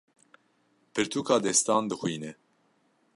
Pirtûka destan dixwîne.